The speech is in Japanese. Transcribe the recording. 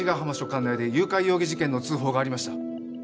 管内で誘拐容疑事件の通報がありました